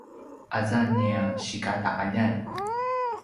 aza nia sikataqaljan